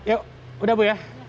yuk udah bu ya